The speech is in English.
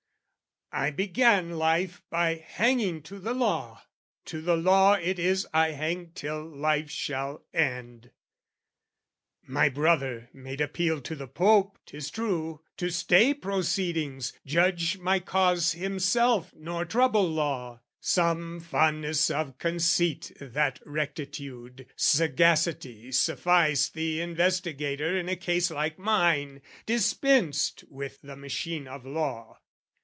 I began life by hanging to the law, To the law it is I hang till life shall end. My brother made appeal to the Pope, 'tis true, To stay proceedings, judge my cause himself Nor trouble law, some fondness of conceit That rectitude, sagacity sufficed The investigator in a case like mine, Dispensed with the machine of law.